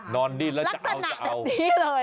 นอนดิ้นแล้วจะเอาแบบนี้เลย